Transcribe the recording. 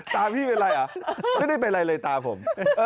ตาพี่เป็นอะไรเหรอไม่ได้เป็นอะไรเลยตาผม